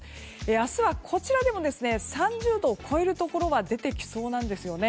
明日は、こちらでも３０度を超えるところは出てきそうなんですよね。